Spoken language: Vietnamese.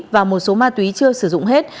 và một số ma túy chưa sử dụng hết